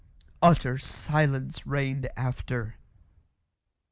Utter silence reigned after.